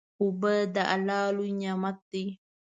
اوبه د الله لوی نعمت دی.